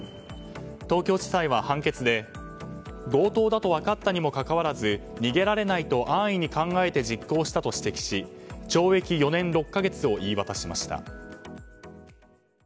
東京地裁は判決で強盗だと分かったにもかかわらず逃げられないと安易に考えて実行したと指摘し懲役４年６か月を言い渡しました。